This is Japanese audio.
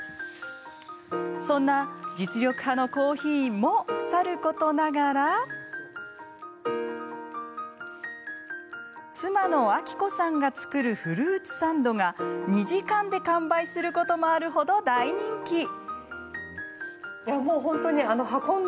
そんな実力派のコーヒーもさることながら妻の亜希子さんが作るフルーツサンドが２時間で完売することもあるほど大人気。